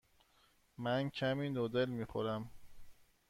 من کمی نودل می خورم.